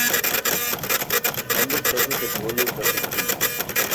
En ambos casos el podio fue argentino.